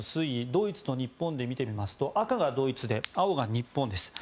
ドイツと日本で見てみますと赤がドイツで青が日本です。